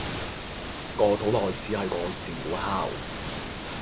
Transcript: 個肚內似係個戰鼓敲